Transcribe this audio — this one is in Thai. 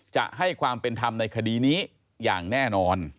จะให้ความเป็นธรรมในคดีนี้อย่างแน่นอน